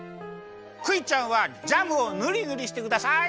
クイちゃんはジャムをぬりぬりしてください！